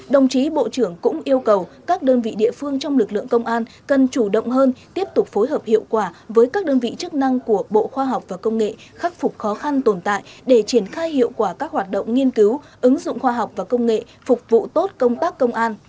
đồng chí bộ trưởng cũng yêu cầu các đơn vị địa phương trong lực lượng công an cần chủ động hơn tiếp tục phối hợp hiệu quả với các đơn vị chức năng của bộ khoa học và công nghệ khắc phục khó khăn tồn tại để triển khai hiệu quả các hoạt động nghiên cứu ứng dụng khoa học và công nghệ phục vụ tốt công tác công an